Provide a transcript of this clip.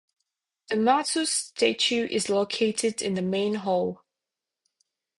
The Mazu statue is located in the main hall.